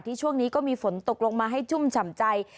ช่วงนี้ก็มีฝนตกลงมาให้ชุ่มฉ่ำใจ